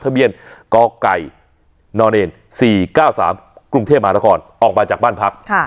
ทะเบียนกไก่น๔๙๓กรุงเทพมหานครออกมาจากบ้านพัก